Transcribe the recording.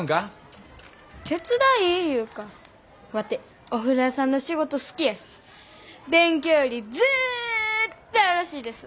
手伝いいうかワテお風呂屋さんの仕事好きやし。勉強よりずっとよろしいですわ。